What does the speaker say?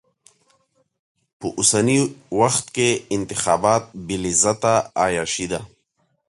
په اوسني وخت کې انتخابات بې لذته عياشي ده.